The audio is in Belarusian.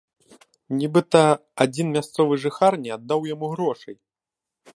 Нібыта, адзін мясцовы жыхар не аддаў яму грошай.